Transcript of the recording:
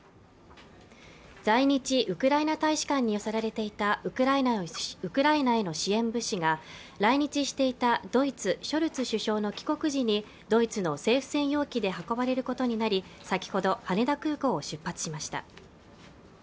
在日ウクライナ大使館に寄せられていたウクライナへの支援物資が来日していたドイツ・ショルツ首相の帰国時にドイツの政府専用機で運ばれることになり先ほど羽田空港を出発しました